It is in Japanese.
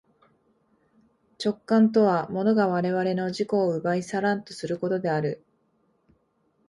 直観とは物が我々の自己を奪い去らんとすることである。